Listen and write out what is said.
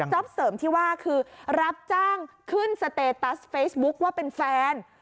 เสริมที่ว่าคือรับจ้างขึ้นสเตตัสเฟซบุ๊คว่าเป็นแฟน